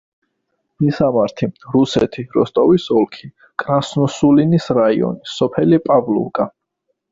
მისამართი: რუსეთი, როსტოვის ოლქი, კრასნოსულინის რაიონი, სოფელი პავლოვკა.